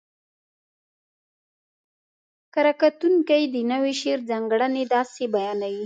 ره کتونکي د نوي شعر ځانګړنې داسې بیانوي: